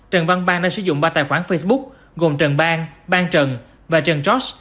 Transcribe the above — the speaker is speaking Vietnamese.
trần văn bang đã sử dụng ba tài khoản facebook gồm trần bang bang trần và trần josh